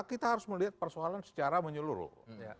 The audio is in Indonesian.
kita harus melihat persoalan secara menyeluruh